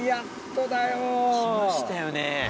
来ましたよね。